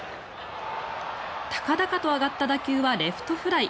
高々と上がった打球はレフトフライ。